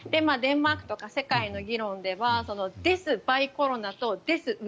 デンマークとは世界の議論ではデス・バイ・コロナとデス